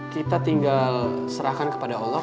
kita tinggal serahkan kepada allah